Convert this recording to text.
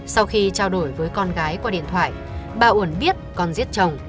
sau khi trao đổi với con gái qua điện thoại bà uẩn biết con giết chồng